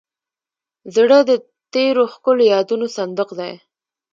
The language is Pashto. زړه د تېرو ښکلو یادونو صندوق دی.